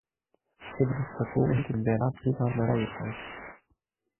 Für die Dissertation erhielt er den Bernard Friedman Memorial Prize.